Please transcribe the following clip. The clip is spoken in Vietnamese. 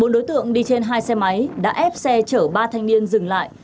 bốn đối tượng đi trên hai xe máy đã ép xe chở ba thanh niên dừng lại